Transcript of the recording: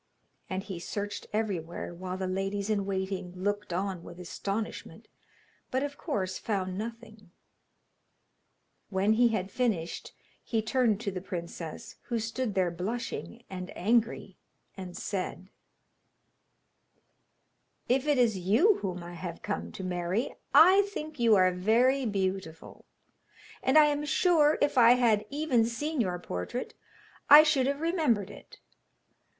And he searched everywhere, while the ladies in waiting looked on with astonishment, but of course found nothing. When he had finished he turned to the princess, who stood there blushing and angry, and said: 'If it is you whom I have come to marry, I think you are very beautiful, and I am sure if I had even seen your portrait I should have remembered it.